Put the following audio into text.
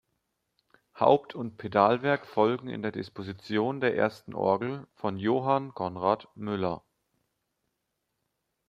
Haupt- und Pedalwerk folgen in der Disposition der ersten Orgel von Johann Conrad Müller.